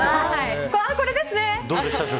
これですね。